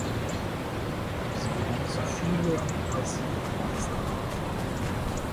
Sie begann zu fühlen, das sie in Meisterhänden war.